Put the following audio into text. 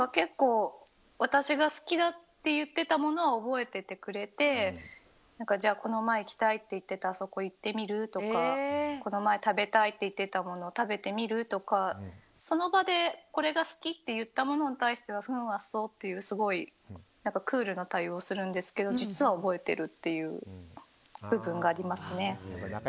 私が好きだって言ってたものは覚えててくれて、じゃあこの前に行きたいって言ってたあそこに行ってみる？とかこの前、食べたいと言ってたものを食べてみる？とかその場でこれが好きって言ったものに対してはふーん、あっそうっていうクールな対応をするんですけど実は覚えてるっていう部分がありますね。